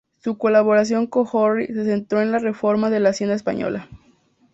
Su colaboración con Orry se centró en la reforma de la Hacienda española.